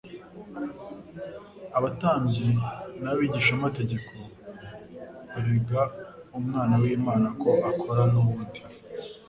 Abatambyi n'abigishamategeko barega Umwana w'Imana ko akora n'ubundi